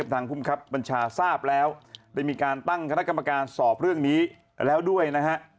ทางภูมิครับบัญชาทราบแล้วได้มีการตั้งคณะกรรมการสอบเรื่องนี้แล้วด้วยนะฮะ